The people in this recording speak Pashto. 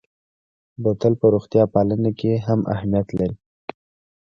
بوتل په روغتیا پالنه کې هم اهمیت لري.